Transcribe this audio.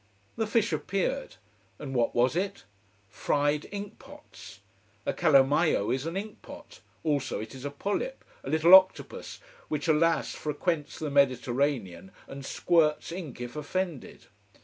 The fish appeared. And what was it? Fried ink pots. A calamaio is an ink pot: also it is a polyp, a little octopus which, alas, frequents the Mediterranean and squirts ink if offended.